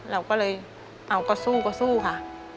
เราก็เลยเอาก็สู้ค่ะ